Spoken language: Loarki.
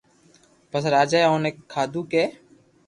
پسي راجا اي اوني ڪآدو ڪي